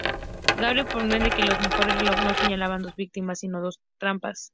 Gabe comprende que los dos relojes no señalaban dos víctimas, sino dos trampas.